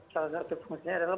salah satu fungsinya adalah